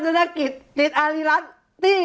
สำหรับก้อยที่ค่อยสู้เนี้ยเพราะว่าตรงนี้